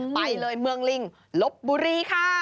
ไปเลยเมืองลิงลบบุรีค่ะ